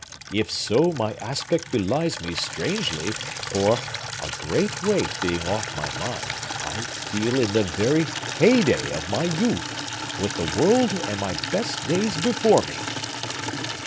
If so, my aspect belies me strangely; for—a great weight being off my mind—I feel in the very heyday of my youth, with the world and my best days before me!"